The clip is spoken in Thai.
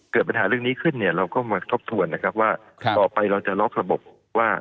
เกิดปัญหาเรื่องนี้ขึ้นเนี่ยเราก็มาทบทวนนะครับว่าต่อไปเราจะล็อกระบบว่า